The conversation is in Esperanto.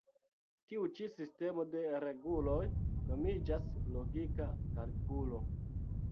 Tiu ĉi sistemo de reguloj nomiĝas logika kalkulo.